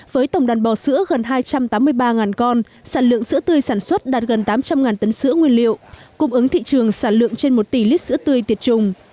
với tổng đàn bò sữa gần hai trăm tám mươi ba con sản lượng sữa tươi sản xuất đạt gần tám trăm linh tấn sữa nguyên liệu cung ứng thị trường sản lượng trên một tỷ lít sữa tươi tiệt trùng